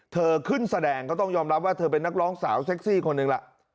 เธอขึ้นแสดงก็ต้องยอมรับว่าเธอเป็นนักร้องสาวเซ็กซี่คนหนึ่งล่ะ